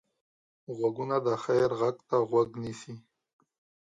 غوږونه د خیر غږ ته غوږ نیسي